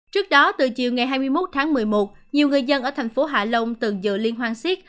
trước đó từ chiều ngày hai mươi một tháng một mươi một nhiều người dân ở tp hạ long từng dự liên hoan siếc